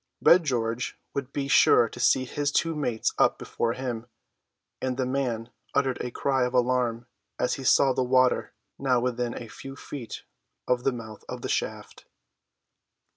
Red George would be sure to see his two mates up before him, and the man uttered a cry of alarm as he saw the water, now within a few feet of the mouth of the shaft.